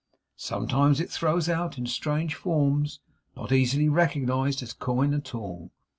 Sometimes it throws it out in strange forms, not easily recognized as coin at all.